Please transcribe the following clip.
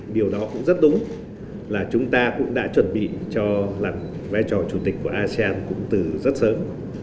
điều đó cũng rất đúng là chúng ta cũng đã chuẩn bị cho vai trò chủ tịch của asean cũng từ rất sớm